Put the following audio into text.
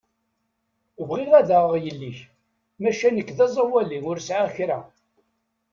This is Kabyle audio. Bɣiɣ ad aɣeɣ yell-ik, maca nekk d aẓawali ur sɛiɣ kra.